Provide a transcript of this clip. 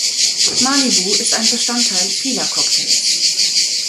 Malibu ist ein Bestandteil vieler Cocktails.